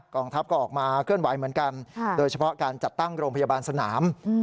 กองทัพก็ออกมาเคลื่อนไหวเหมือนกันโดยเฉพาะการจัดตั้งโรงพยาบาลสนาม